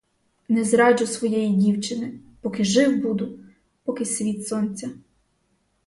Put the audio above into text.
Не зраджу своєї дівчини, поки жив буду, поки світ сонця!